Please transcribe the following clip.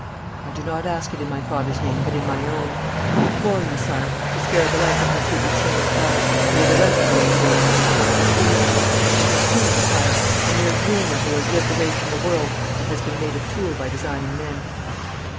'I do not ask it in my father's name, but in my own. I implore you, Sire, to spare the life of Monsieur Lucien Lesage, who was arrested yesterday upon a charge of treason. He is a student, Sire a mere dreamer who has lived away from the world and has been made a tool by designing men.'